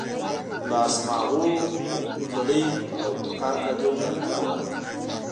لاس ماغو، خولۍ او د کار کالي هم د اړتیا وړ دي.